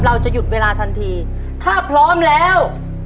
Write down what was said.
เราจะหยุดเวลาทันทีถ้าพร้อมแล้ว